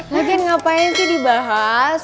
legen ngapain sih dibahas